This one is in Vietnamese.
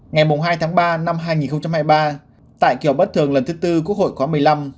ngày hai tháng ba năm hai nghìn hai mươi ba tại kỳ họp bất thường lần thứ tư quốc hội khóa một mươi năm